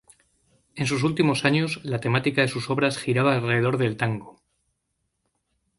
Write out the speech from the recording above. En sus últimos años la temática de sus obras giraba alrededor del tango.